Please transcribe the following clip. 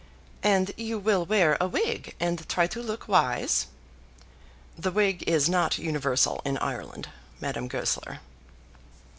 "And you will wear a wig and try to look wise?" "The wig is not universal in Ireland, Madame Goesler."